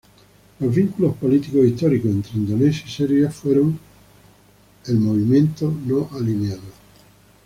Los vínculos políticos históricos entre Indonesia y Serbia fueron el Movimiento No Alineado.